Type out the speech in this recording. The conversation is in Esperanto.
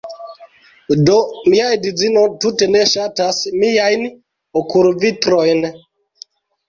Do, mia edzino tute ne ŝatas miajn okulvitrojn